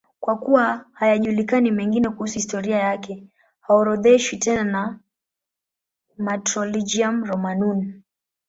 Kwa kuwa hayajulikani mengine kuhusu historia yake, haorodheshwi tena na Martyrologium Romanum.